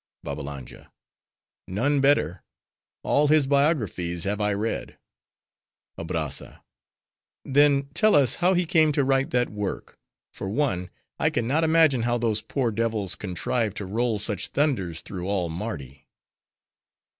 BABBALANJA—None better. All his biographies have I read. ABRAZZA—Then, tell us how he came to write that work. For one, I can not imagine how those poor devils contrive to roll such thunders through all Mardi.